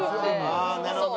ああなるほどね。